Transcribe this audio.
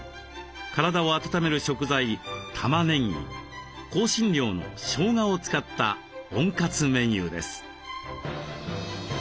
体を温める食材たまねぎ香辛料のしょうがを使った温活メニューです。